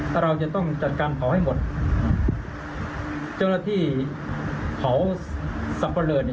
ถ้าเราจะต้องจัดการเขาให้หมดเจ้าหน้าที่เขาสับปะเลอเนี่ย